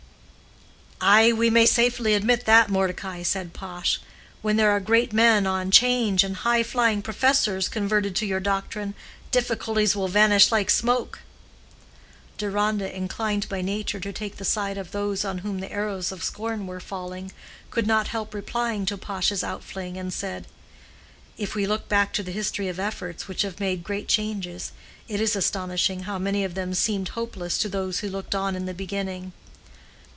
"Ay, we may safely admit that, Mordecai," said Pash. "When there are great men on 'Change, and high flying professors converted to your doctrine, difficulties will vanish like smoke." Deronda, inclined by nature to take the side of those on whom the arrows of scorn were falling, could not help replying to Pash's outfling, and said, "If we look back to the history of efforts which have made great changes, it is astonishing how many of them seemed hopeless to those who looked on in the beginning.